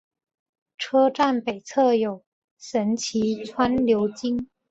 车站北侧有神崎川流经。